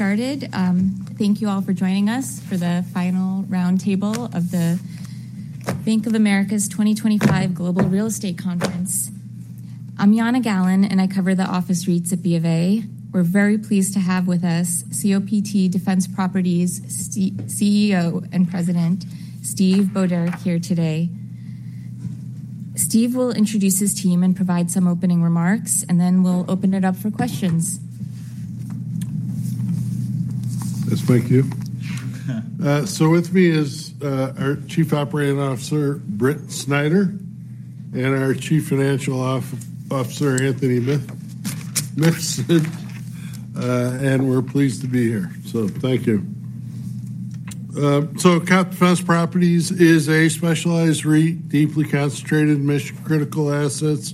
Started. Thank you all for joining us for the final roundtable of the Bank of America's 2025 Global Real Estate Conference. I'm Yana Gallen, and I cover the office REITs at B of A. We're very pleased to have with us COPT Defense Properties CEO and President, Steve Budorick, here today. Steve will introduce his team and provide some opening remarks, and then we'll open it up for questions. Let's wake you. With me is our Chief Operating Officer, Britt Snider, and our Chief Financial Officer, Anthony Mifsud, and we're pleased to be here. Thank you. COPT Defense Properties is a specialized REIT, deeply concentrated in mission-critical assets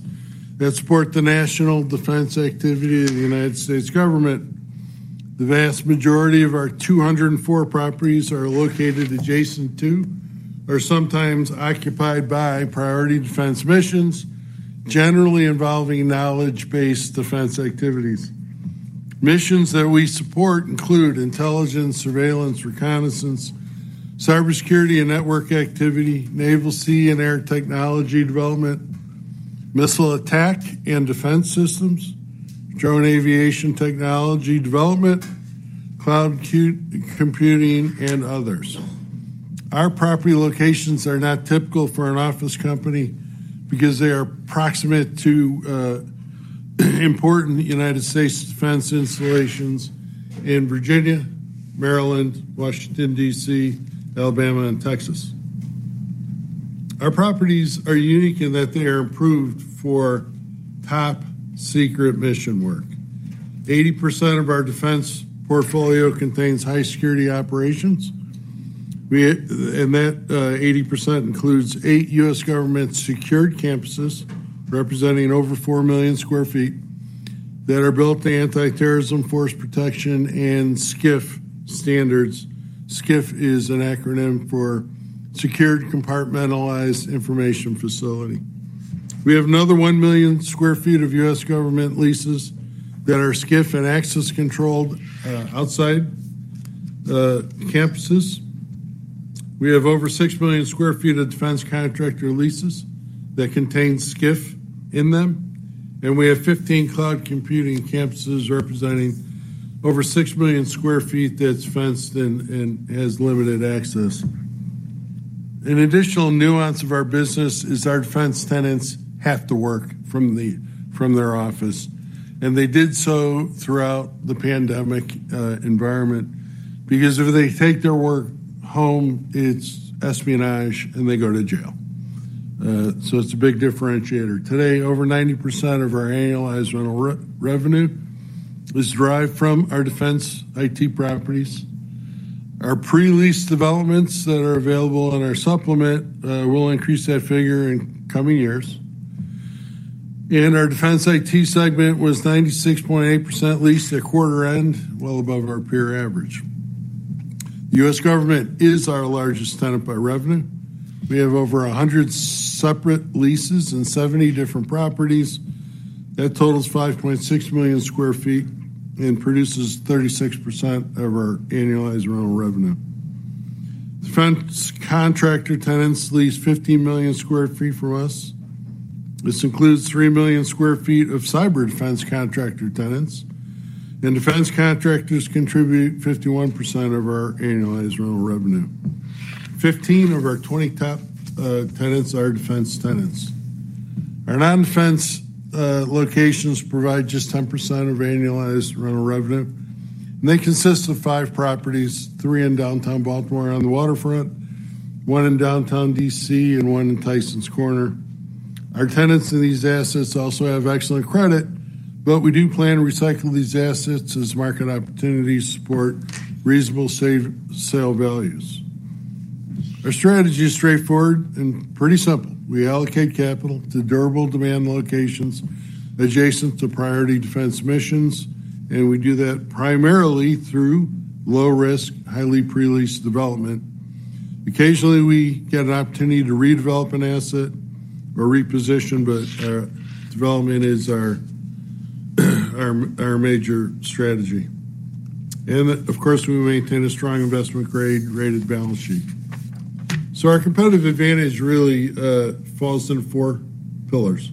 that support the national defense activity of the U.S. government. The vast majority of our 204 properties are located adjacent to, or sometimes occupied by, priority defense missions, generally involving knowledge-based defense activities. Missions that we support include intelligence, surveillance, reconnaissance, cybersecurity and network activity, naval, sea, and air technology development, missile attack and defense systems, drone aviation technology development, cloud computing, and others. Our property locations are not typical for an office company because they are proximate to important U.S. defense installations in Virginia, Maryland, Washington, D.C., Alabama, and Texas. Our properties are unique in that they are approved for top-secret mission work. 80% of our defense portfolio contains high-security operations, and that 80% includes eight U.S. government-secured campuses representing over 4 million square feet that are built to anti-terrorism, force protection, and SCIF standards. SCIF is an acronym for Sensitive Compartmented Information Facility. We have another 1 million square feet of U.S. government leases that are SCIF and access-controlled outside campuses. We have over 6 million square feet of defense contractor leases that contain SCIF in them, and we have 15 cloud computing campuses representing over 6 million square feet that's fenced in and has limited access. An additional nuance of our business is our defense tenants have to work from their office, and they did so throughout the pandemic environment because if they take their work home, it's espionage and they go to jail. It's a big differentiator. Today, over 90% of our annualized rental revenue is derived from our defense IT properties. Our pre-lease developments that are available in our supplement will increase that figure in coming years. Our defense IT segment was 96.8% leased at quarter-end, well above our peer average. The U.S. government is our largest tenant by revenue. We have over 100 separate leases in 70 different properties. That totals 5.6 million square feet and produces 36% of our annualized rental revenue. Defense contractor tenants lease 15 million square feet from us. This includes 3 million square feet of cyber defense contractor tenants, and defense contractors contribute 51% of our annualized rental revenue. 15 of our 20 top tenants are defense tenants. Our non-defense locations provide just 10% of annualized rental revenue, and they consist of five properties, three in downtown Baltimore on the waterfront, one in downtown D.C., and one in Tyson's Corner. Our tenants in these assets also have excellent credit, but we do plan to recycle these assets as market opportunities support reasonable sale values. Our strategy is straightforward and pretty simple. We allocate capital to durable demand locations adjacent to priority defense missions, and we do that primarily through low-risk, highly pre-leased development. Occasionally, we get an opportunity to redevelop an asset or reposition, but development is our major strategy. Of course, we maintain a strong investment grade-rated balance sheet. Our competitive advantage really falls into four pillars.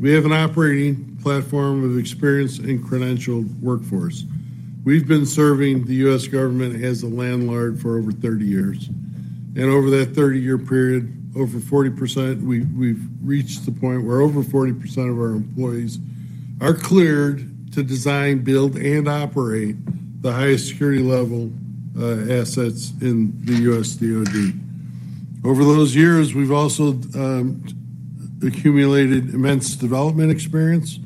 We have an operating platform of experienced and credentialed workforce. We've been serving the U.S. government as a landlord for over 30 years, and over that 30-year period, we've reached the point where over 40% of our employees are cleared to design, build, and operate the highest security level assets in the U.S. DoD. Over those years, we've also accumulated immense development experience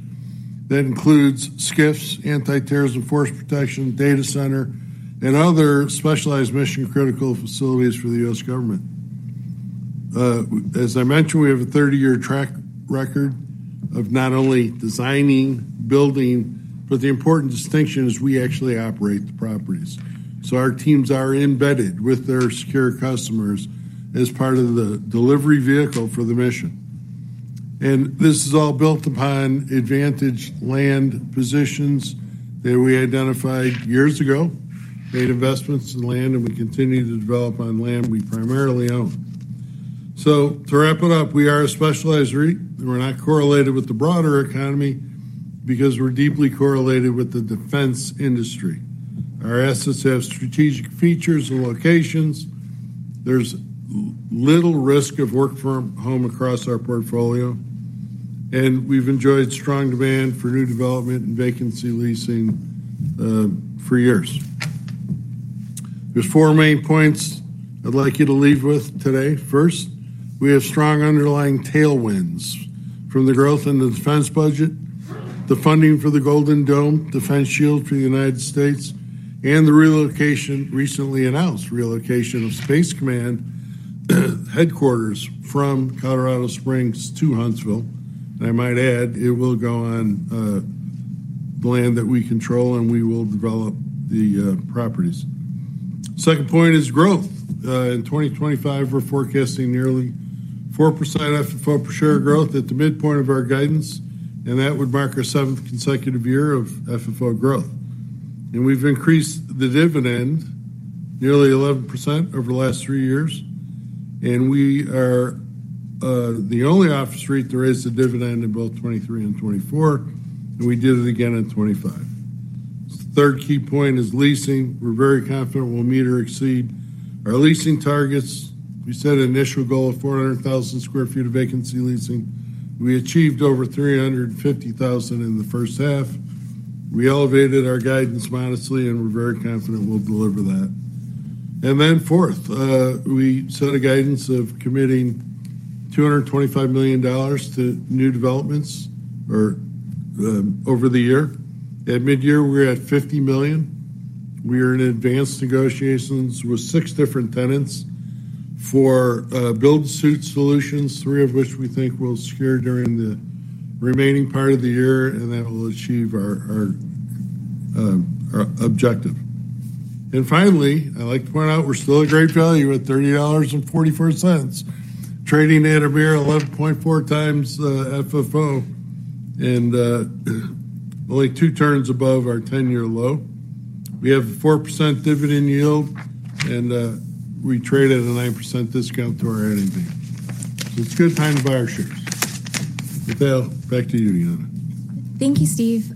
that includes SCIFs, anti-terrorism force protection, data center, and other specialized mission critical facilities for the U.S. government. As I mentioned, we have a 30-year track record of not only designing, building, but the important distinction is we actually operate the properties. Our teams are embedded with their secure customers as part of the delivery vehicle for the mission. This is all built upon advantage land positions that we identified years ago, made investments in land, and we continue to develop on land we primarily own. To wrap it up, we are a specialized REIT. We're not correlated with the broader economy because we're deeply correlated with the defense industry. Our assets have strategic features and locations. There's little risk of work-from-home across our portfolio, and we've enjoyed strong demand for new development and vacancy leasing for years. There's four main points I'd like you to leave with today. First, we have strong underlying tailwinds from the growth in the defense budget, the funding for the Golden Dome, Defense Shield for the United States, and the recently announced relocation of U.S. Space Command headquarters from Colorado Springs to Huntsville. I might add, it will go on the land that we control, and we will develop the properties. The second point is growth. In 2025, we're forecasting nearly 4% FFO per share growth at the midpoint of our guidance, and that would mark our seventh consecutive year of FFO growth. We've increased the dividend nearly 11% over the last three years, and we are the only office REIT to raise the dividend in both 2023 and 2024, and we did it again in 2025. The third key point is leasing. We're very confident we'll meet or exceed our leasing targets. We set an initial goal of 400,000 square feet of vacancy leasing. We achieved over 350,000 in the first half. We elevated our guidance modestly, and we're very confident we'll deliver that. Fourth, we set a guidance of committing $225 million to new developments over the year. At mid-year, we're at $50 million. We are in advanced negotiations with six different tenants for build-suit solutions, three of which we think we'll secure during the remaining part of the year, and that will achieve our objective. Finally, I'd like to point out we're still at a great value at $30.44, trading at a mere 11.4 times FFO and only two turns above our 10-year low. We have a 4% dividend yield, and we trade at a 9% discount to our NAV. It's a good time to buy our share. Mithal, back to you, Yana. Thank you, Steve.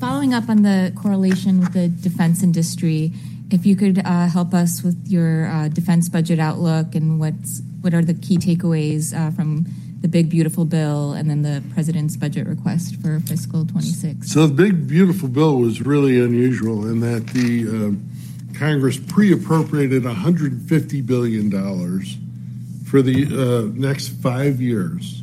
Following up on the correlation with the defense industry, if you could help us with your defense budget outlook and what are the key takeaways from the One Big Beautiful Bill and then the president's budget request for fiscal 2026? The One Big Beautiful Bill was really unusual in that the Congress pre-appropriated $150 billion for the next five years.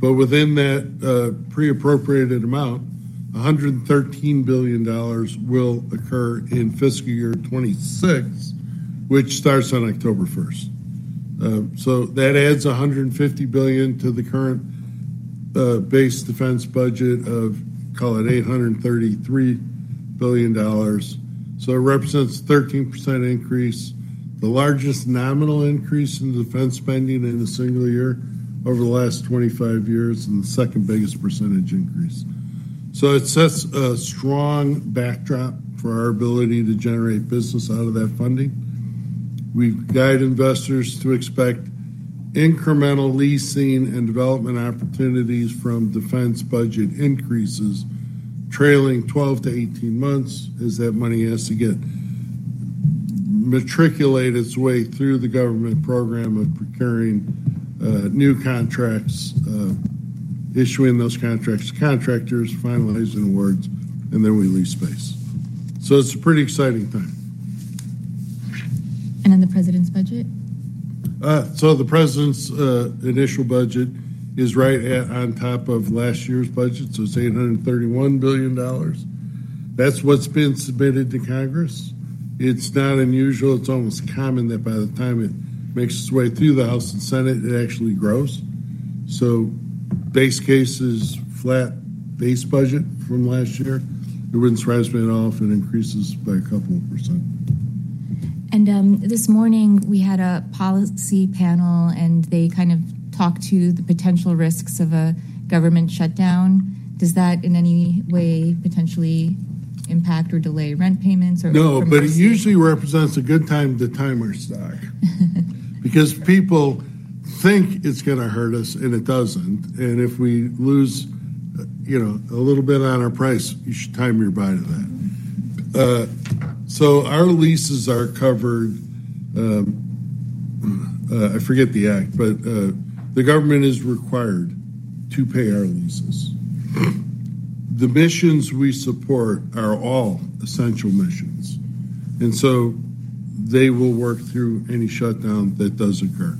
Within that pre-appropriated amount, $113 billion will occur in fiscal year 2026, which starts on October 1. That adds $150 billion to the current base defense budget of, call it, $833 billion. It represents a 13% increase, the largest nominal increase in defense spending in a single year over the last 25 years, and the second biggest percentage increase. It sets a strong backdrop for our ability to generate business out of that funding. We guide investors to expect incremental leasing and development opportunities from defense budget increases trailing 12 to 18 months as that money has to get matriculated its way through the government program of procuring new contracts, issuing those contracts to contractors, finalizing awards, and then we lease space. It's a pretty exciting time. The president's budget? The president's initial budget is right on top of last year's budget, so it's $831 billion. That's what's been submitted to Congress. It's not unusual, it's almost common that by the time it makes its way through the House and Senate, it actually grows. Base case is flat base budget from last year. It wouldn't surprise me at all if it increases by a couple of %. This morning we had a policy panel, and they kind of talked to the potential risks of a government shutdown. Does that in any way potentially impact or delay rent payments? No, but it usually represents a good time to time our stock because people think it's going to hurt us, and it doesn't. If we lose a little bit on our price, you should time your buy to that. Our leases are covered. I forget the act, but the U.S. government is required to pay our leases. The missions we support are all essential missions, and they will work through any shutdown that does occur.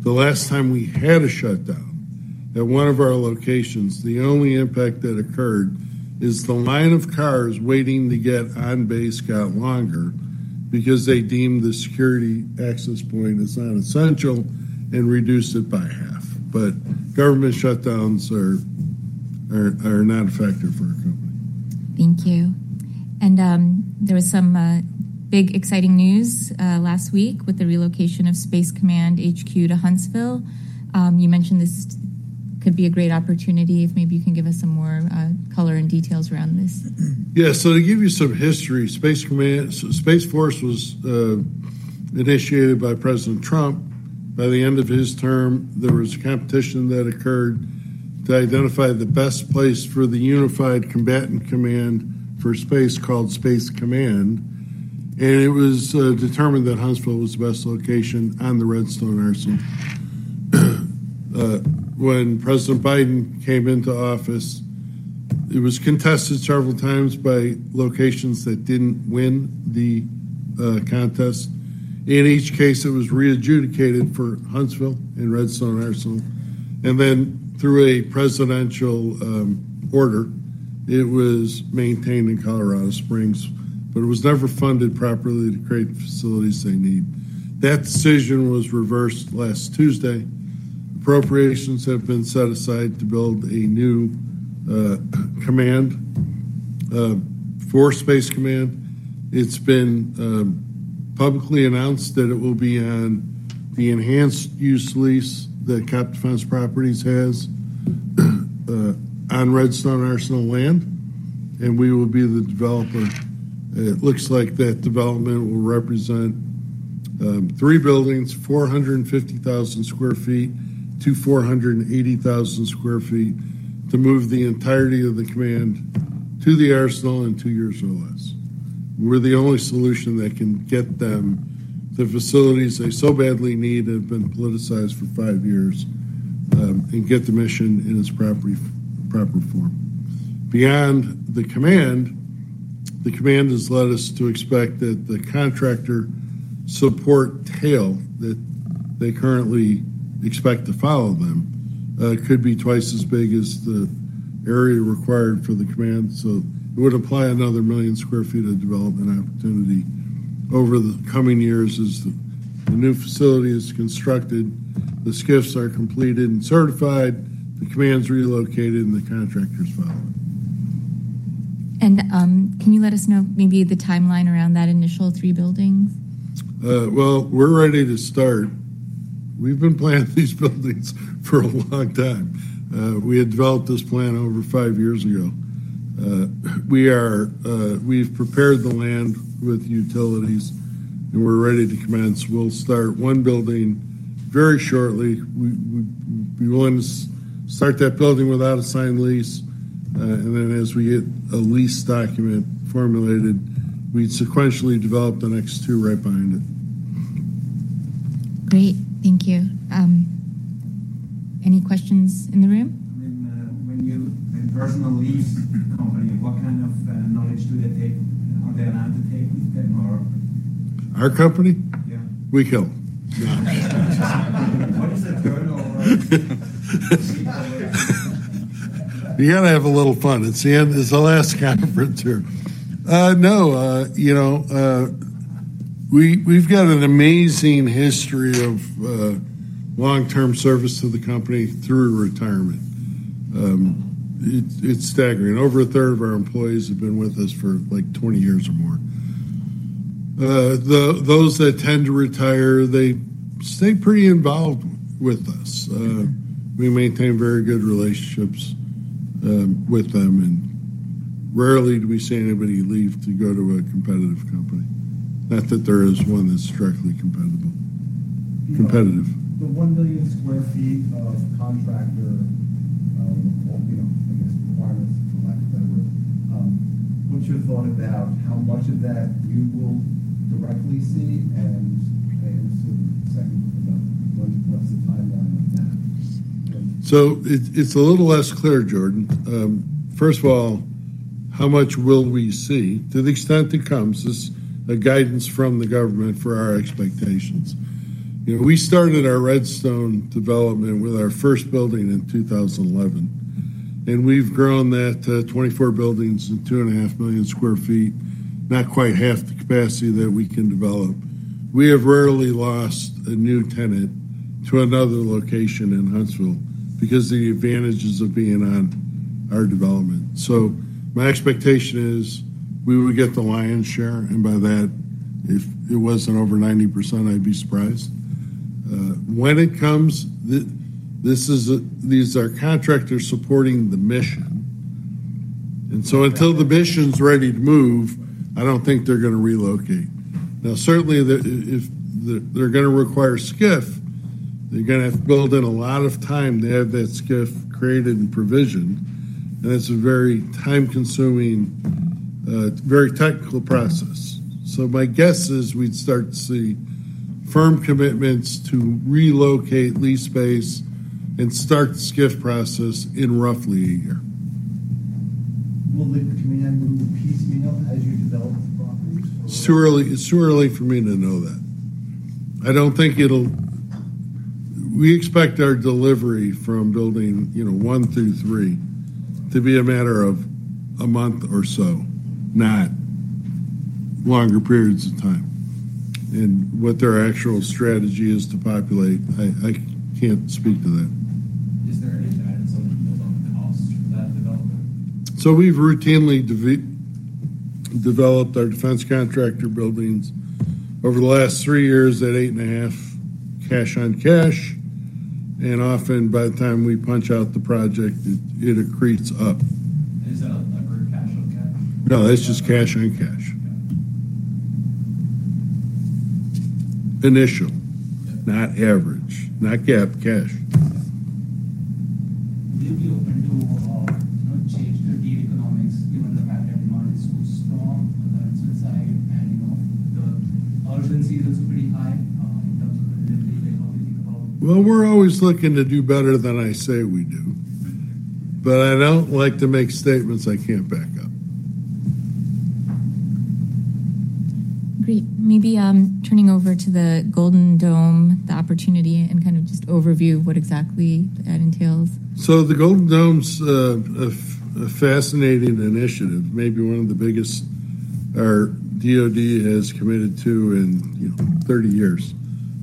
The last time we had a shutdown at one of our locations, the only impact that occurred is the line of cars waiting to get on base got longer because they deemed the security access point as non-essential and reduced it by half. Government shutdowns are not a factor for our company. Thank you. There was some big, exciting news last week with the relocation of U.S. Space Command headquarters to Huntsville. You mentioned this could be a great opportunity if maybe you can give us some more color and details around this. Yeah, so to give you some history, Space Command, Space Force was initiated by President Trump. By the end of his term, there was competition that occurred to identify the best place for the unified combatant command for space called Space Command. It was determined that Huntsville was the best location on the Redstone Arsenal. When President Biden came into office, it was contested several times by locations that didn't win the contest. In each case, it was readjudicated for Huntsville and Redstone Arsenal. Through a presidential order, it was maintained in Colorado Springs, but it was never funded properly to create the facilities they need. That decision was reversed last Tuesday. Appropriations have been set aside to build a new command for Space Command. It's been publicly announced that it will be on the enhanced use lease that COPT Defense Properties has on Redstone Arsenal land, and we will be the developer. It looks like that development will represent three buildings, 450,000 square feet to 480,000 square feet, to move the entirety of the command to the arsenal in two years or less. We're the only solution that can get them to facilities they so badly need that have been politicized for five years and get the mission in its proper form. Beyond the command, the command has led us to expect that the contractor support tail that they currently expect to follow them could be twice as big as the area required for the command. It would apply another 1 million square feet of development opportunity over the coming years as the new facility is constructed, the SCIFs are completed and certified, the command's relocated, and the contractor's following. Can you let us know maybe the timeline around that initial three buildings? We're ready to start. We've been planning these buildings for a long time. We had developed this plan over five years ago. We've prepared the land with utilities, and we're ready to commence. We'll start one building very shortly. We wouldn't start that building without a signed lease. As we get a lease document formulated, we'd sequentially develop the next two right behind it. Great. Thank you. Any questions in the room? When you enforce a lease with a company, what kind of knowledge do they take? Are they allowed to take this? Our company? We kill them. You got to have a little fun. It's the end. It's the last comment here. No, you know, we've got an amazing history of long-term service to the company through retirement. It's staggering. Over a third of our employees have been with us for like 20 years or more. Those that tend to retire, they stay pretty involved with us. We maintain very good relationships with them, and rarely do we see anybody leave to go to a competitive company. Not that there is one that's strictly competitive. The one million square feet of contractor, I guess the wireless, for lack of a better word, what's your thought about how much of that you will? It's a little less clear, Jordan. First of all, how much will we see? To the extent it comes, it's a guidance from the government for our expectations. We started our Redstone development with our first building in 2011, and we've grown that to 24 buildings and 2.5 million square feet, not quite half the capacity that we can develop. We have rarely lost a new tenant to another location in Huntsville because of the advantages of being on our development. My expectation is we would get the lion's share, and by that, if it wasn't over 90%, I'd be surprised. When it comes, these are contractors supporting the mission. Until the mission's ready to move, I don't think they're going to relocate. Certainly, if they're going to require SCIF, they're going to have to build in a lot of time to have that SCIF created and provisioned. It's a very time-consuming, very technical process. My guess is we'd start to see firm commitments to relocate lease space and start the SCIF process in roughly a year. Will there be a number of pieces as you develop? It's too early for me to know that. I don't think it'll, we expect our delivery from building one through three to be a matter of a month or so, not longer periods of time. What their actual strategy is to populate, I can't speak to that. We've routinely developed our defense contractor buildings over the last three years at 8.5% cash on cash. Often, by the time we punch out the project, it accretes up. No, it's just cash on cash. Initial, not average, not capped cash. I need to walk off. I don't see a clear gate economics given the fact every month it's so long without suicide and panic off. The ROC is also pretty high. We are always looking to do better than I say we do. I don't like to make statements I can't back up. Great. Maybe turning over to the Golden Dome, the opportunity, and just overview what exactly that entails. The Golden Dome's a fascinating initiative, maybe one of the biggest our DoD has committed to in 30 years.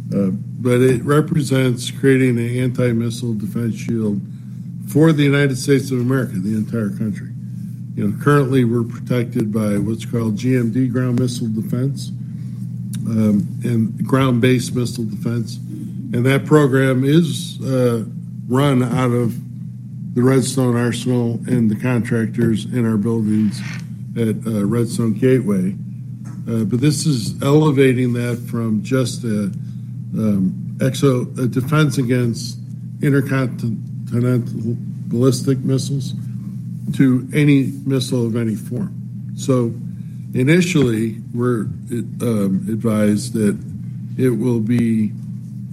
It represents creating an anti-missile defense shield for the United States of America, the entire country. Currently, we're protected by what's called GMD, Ground Missile Defense, and Ground-Based Missile Defense. That program is run out of the Redstone Arsenal and the contractors in our buildings at Redstone Gateway. This is elevating that from just a defense against intercontinental ballistic missiles to any missile of any form. Initially, we're advised that it will be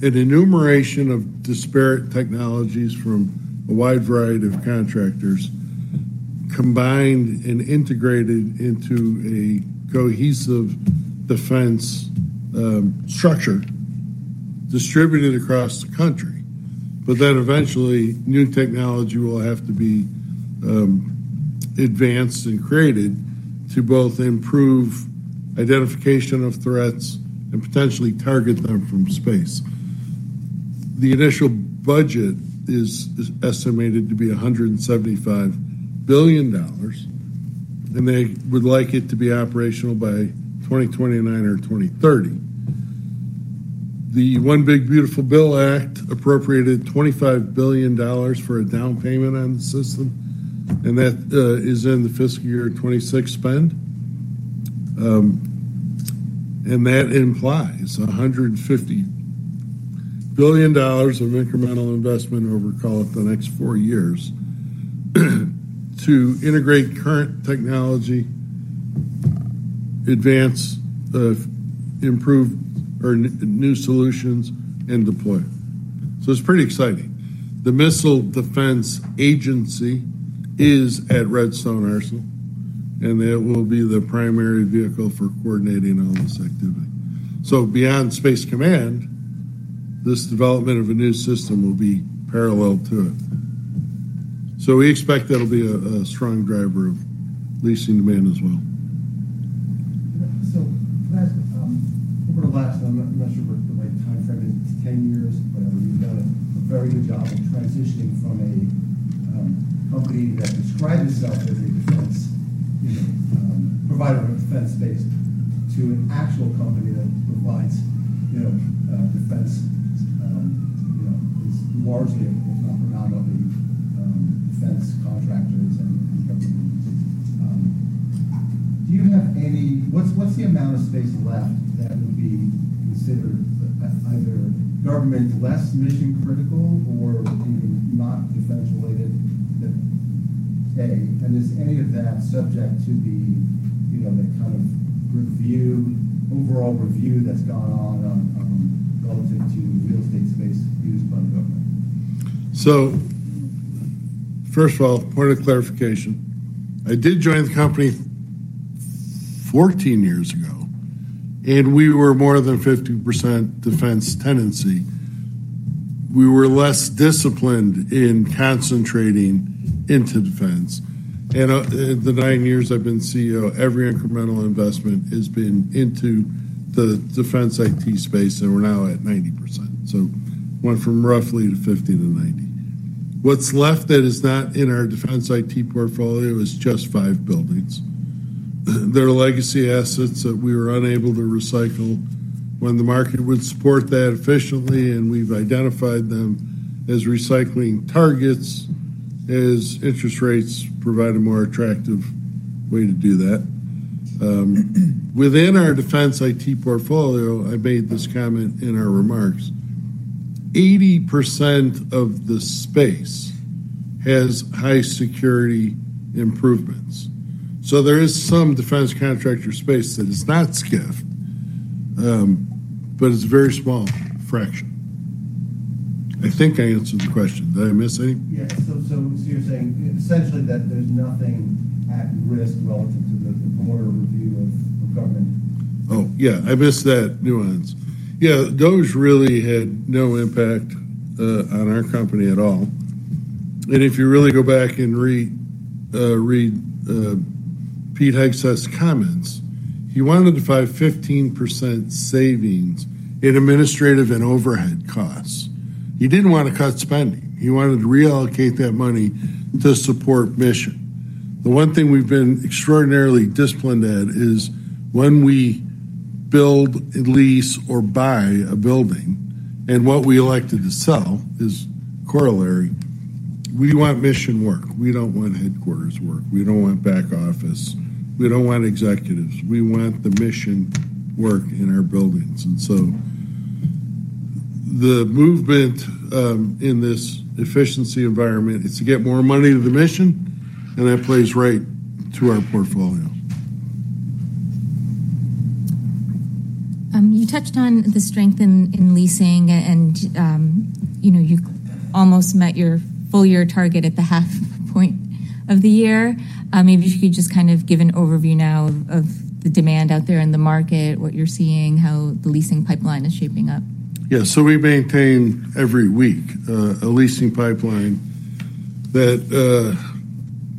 an enumeration of disparate technologies from a wide variety of contractors combined and integrated into a cohesive defense structure distributed across the country. Eventually, new technology will have to be advanced and created to both improve identification of threats and potentially target them from space. The initial budget is estimated to be $175 billion, and they would like it to be operational by 2029 or 2030. The One Big Beautiful Bill appropriated $25 billion for a down payment on the system, and that is in the fiscal year 2026 spend. That implies $150 billion of incremental investment over, call it, the next four years to integrate current technology, advance, improve, or new solutions, and deploy. It's pretty exciting. The Missile Defense Agency is at Redstone Arsenal, and it will be the primary vehicle for coordinating all this activity. Beyond Space Command, this development of a new system will be parallel to it. We expect that'll be a strong driver of leasing demand as well. Over the last, I'm not sure what the right time frame is, 10 years, you've done a very good job of transitioning from a company that describes its activity from providing a defense space to an actual company that provides defense. On the space left, that would be the exhibit of either government West mission-critical or the thing that is not defense-related. Is any of that subject to the, you know, the kind of review, overall review that's gone on on going into real estate space used by the government? First of all, part of the clarification, I did join the company 14 years ago, and we were more than 50% defense tenancy. We were less disciplined in concentrating into defense. In the nine years I've been CEO, every incremental investment has been into the defense IT space, and we're now at 90%. It went from roughly 50% to 90%. What's left that is not in our defense IT portfolio is just five buildings. They're legacy assets that we were unable to recycle when the market would support that efficiently, and we've identified them as recycling targets as interest rates provide a more attractive way to do that. Within our defense IT portfolio, I made this comment in our remarks. 80% of the space has high-security improvements. There is some defense contractor space that is not SCIF, but it's a very small fraction. I think I answered the question. Did I miss anything? Yeah, so you're saying essentially that there's nothing at risk relative to the broader review of government. Oh, yeah, I missed that nuance. Yeah, those really had no impact on our company at all. If you really go back and read Pete Hypsa's comments, he wanted to find 15% savings in administrative and overhead costs. He didn't want to cut spending. He wanted to reallocate that money to support mission. The one thing we've been extraordinarily disciplined at is when we build, lease, or buy a building, and what we elected to sell is corollary. We want mission work. We don't want headquarters work. We don't want back office. We don't want executives. We want the mission work in our buildings. The movement in this efficiency environment is to get more money to the mission, and that plays right to our portfolio. You touched on the strength in leasing, and you know, you almost met your full year target at the half point of the year. Maybe you could just kind of give an overview now of the demand out there in the market, what you're seeing, how the leasing pipeline is shaping up. Yeah, so we maintain every week a leasing pipeline that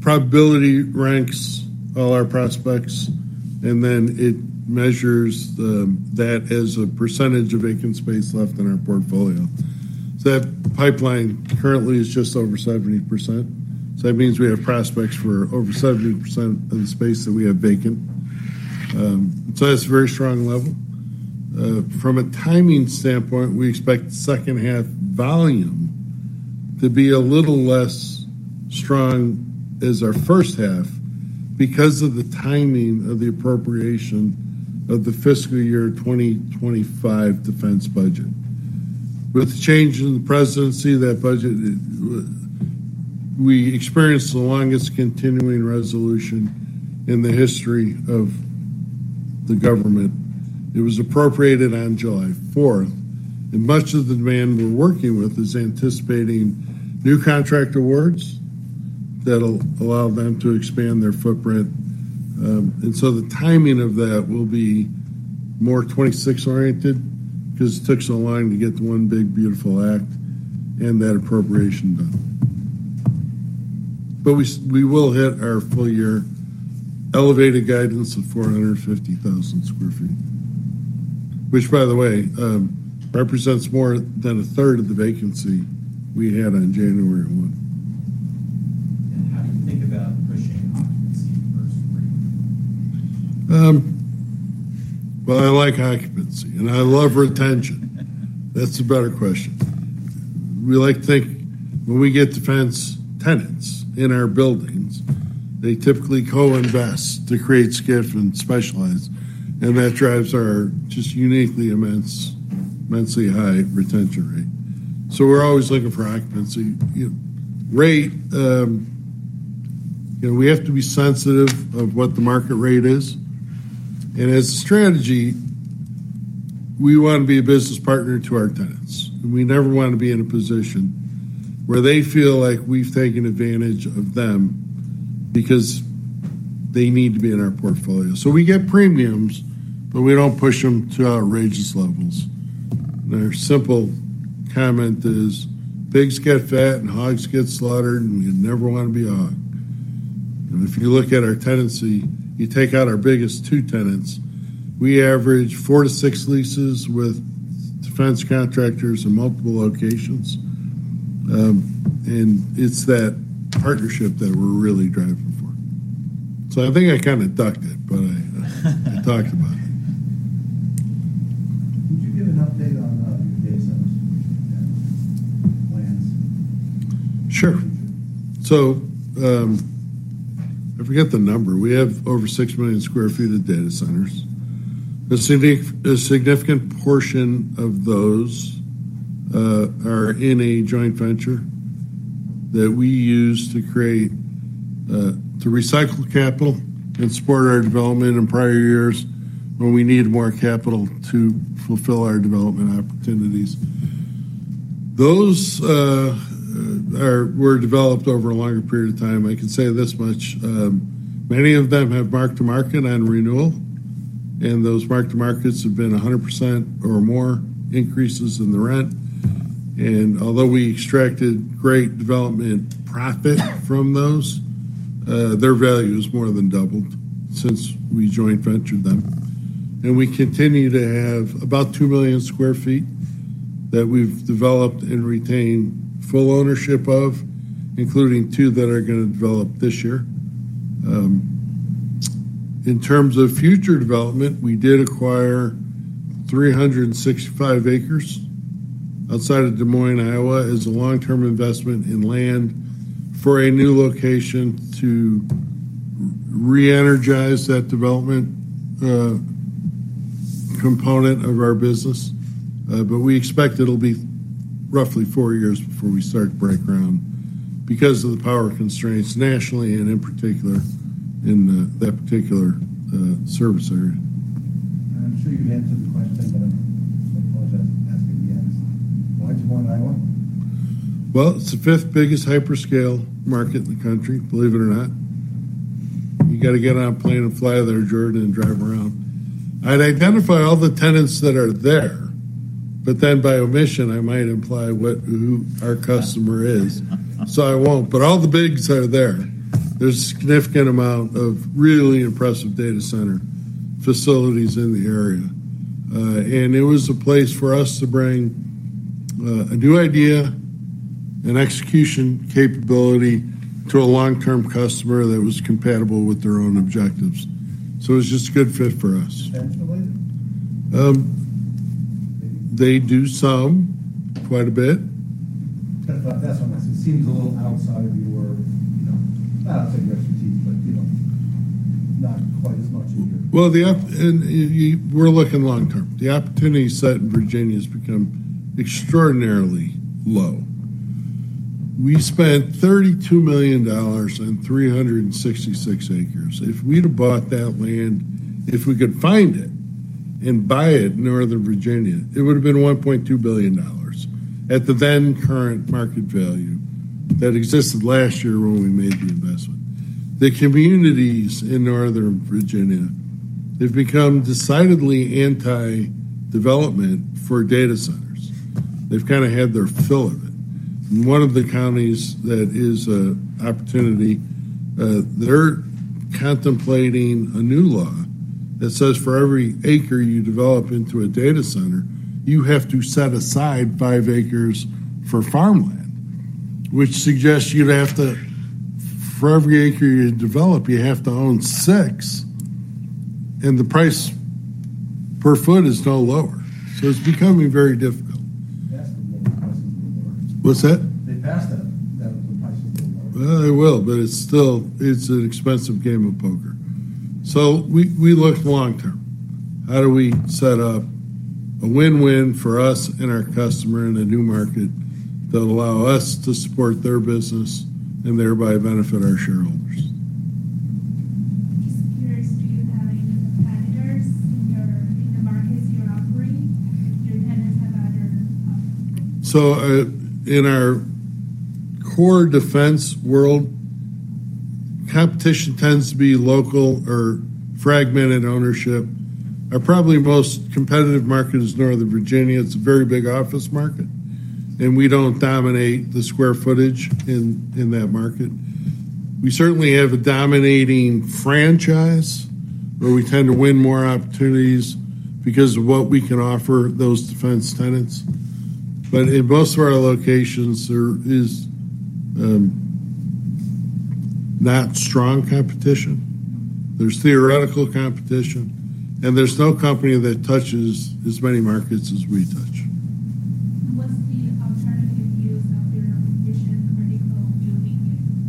probability ranks all our prospects, and then it measures that as a percentage of vacant space left in our portfolio. That pipeline currently is just over 70%. That means we have prospects for over 70% of the space that we have vacant. That's a very strong level. From a timing standpoint, we expect the second half volume to be a little less strong as our first half because of the timing of the appropriation of the fiscal year 2025 defense budget. With the change in the presidency, that budget, we experienced the longest continuing resolution in the history of the U.S. government. It was appropriated on July 4, and much of the demand we're working with is anticipating new contract awards that'll allow them to expand their footprint. The timing of that will be more 2026-oriented because it took so long to get the One Big Beautiful Bill and that appropriation done. We will hit our full year elevated guidance of 450,000 square feet, which, by the way, represents more than a third of the vacancy we had on January 1. I like occupancy, and I love retention. That's a better question. We like to think when we get defense tenants in our buildings, they typically co-invest to create SCIF and specialize, and that drives our just uniquely immense, immensely high retention rate. We're always looking for occupancy. You know, rate, you know, we have to be sensitive of what the market rate is. As a strategy, we want to be a business partner to our tenants, and we never want to be in a position where they feel like we've taken advantage of them because they need to be in our portfolio. We get premiums, but we don't push them to outrageous levels. Our simple comment is, pigs get fat and hogs get slaughtered, and you never want to be all that. If you look at our tenancy, you take out our biggest two tenants, we average four to six leases with defense contractors in multiple locations. It's that partnership that we're really driving for. I think I kind of ducked it, but I talked about it. Could you give an update on the data centers? Sure. I forget the number. We have over 6 million square feet of data centers. A significant portion of those are in a joint venture that we use to recycle capital and support our development in prior years when we need more capital to fulfill our development opportunities. Those were developed over a longer period of time. I can say this much. Many of them have marked to market on renewal, and those marked to markets have been 100% or more increases in the rent. Although we extracted great development profit from those, their value has more than doubled since we joint ventured them. We continue to have about 2 million square feet that we've developed and retained full ownership of, including two that are going to develop this year. In terms of future development, we did acquire 365 acres outside of Des Moines, Iowa, as a long-term investment in land for a new location to re-energize that development component of our business. We expect it'll be roughly four years before we start break ground because of the power constraints nationally and in particular in that particular service area. I'm sure you can answer the question, but I apologize. That's me at the end. Why Des Moines, Iowa? It is the fifth biggest hyperscale market in the country, believe it or not. You have to get on a plane and fly there, Jordan, and drive around. I'd identify all the tenants that are there, but then by omission, I might imply who our customer is. I won't, but all the bigs are there. There is a significant amount of really impressive data center facilities in the area. It was a place for us to bring a new idea, an execution capability to a long-term customer that was compatible with their own objectives. It was just a good fit for us. For later. They do quite a bit. Kind of on that, it seems a little outside of your things. Not quite as much as you. We're looking long-term. The opportunity set in Virginia has become extraordinarily low. We spent $32 million on 366 acres. If we'd have bought that land, if we could find it and buy it in Northern Virginia, it would have been $1.2 billion at the then current market value that existed last year when we made the investment. The communities in Northern Virginia have become decidedly anti-development for data centers. They've kind of had their fill of it. One of the counties that is an opportunity is contemplating a new law that says for every acre you develop into a data center, you have to set aside five acres for farmland, which suggests you'd have to, for every acre you develop, you have to own six, and the price per foot is no lower. It's becoming very difficult. It will, but it's still, it's an expensive game of poker. We look long-term. How do we set up a win-win for us and our customer in a new market that allows us to support their business and thereby benefit our shareholders? Do you have any competitors in the markets? In our core defense world, competition tends to be local or fragmented ownership. Our probably most competitive market is Northern Virginia. It's a very big office market, and we don't dominate the square footage in that market. We certainly have a dominating franchise where we tend to win more opportunities because of what we can offer those defense tenants. In most of our locations, there is not strong competition. There's theoretical competition, and there's no company that touches as many markets as we touch. What's the alternative use of your original building?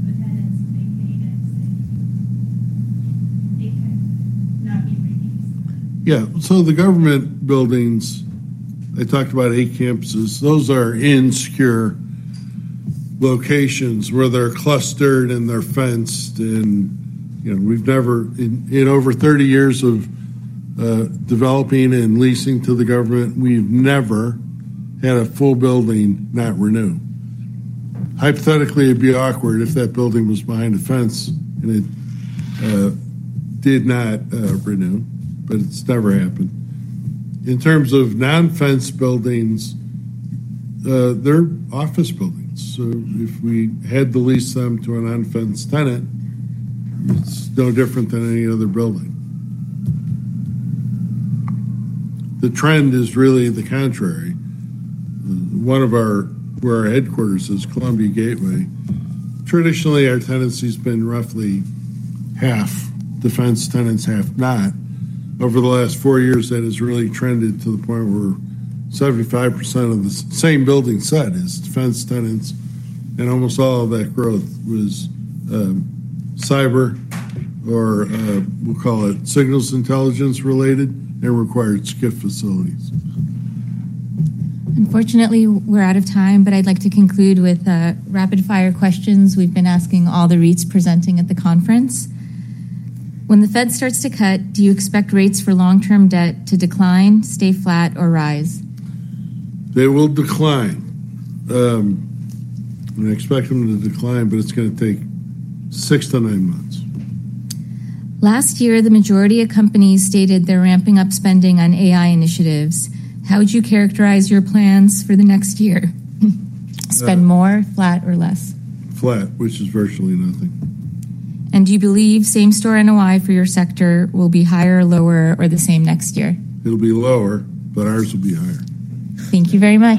Then it's vacant. Yeah. The government buildings, I talked about eight campuses. Those are in secure locations where they're clustered and they're fenced. We've never, in over 30 years of developing and leasing to the government, had a full building not renew. Hypothetically, it'd be awkward if that building was behind a fence and it did not renew, but it's never happened. In terms of non-fence buildings, they're office buildings. If we had to lease them to a non-fence tenant, it's no different than any other building. The trend is really the contrary. One of our headquarters is Columbia Gateway. Traditionally, our tenancy has been roughly half defense tenants, half not. Over the last four years, that has really trended to the point where 75% of the same building set is defense tenants, and almost all of that growth was cyber, or we'll call it signals intelligence related, and required SCIF facilities. Unfortunately, we're out of time, but I'd like to conclude with rapid-fire questions we've been asking all the REITs presenting at the conference. When the Fed starts to cut, do you expect rates for long-term debt to decline, stay flat, or rise? They will decline. I expect them to decline, but it's going to take six to nine months. Last year, the majority of companies stated they're ramping up spending on AI initiatives. How would you characterize your plans for the next year? Spend more, flat, or less? Flat, which is virtually nothing. Do you believe same store NOI for your sector will be higher, lower, or the same next year? It'll be lower, but ours will be higher. Thank you very much.